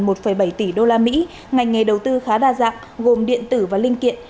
các dự án trên có tổng vốn đăng ký gần một bảy tỷ đô la mỹ ngành nghề đầu tư khá đa dạng gồm điện tử và linh kiện